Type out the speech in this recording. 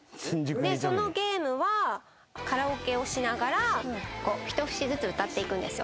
でそのゲームはカラオケをしながら一節ずつ歌っていくんですよ。